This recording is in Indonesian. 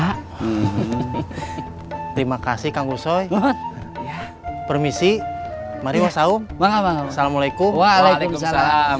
terima kasih kang gusoy permisi mari wassalamu'alaikum waalaikumsalam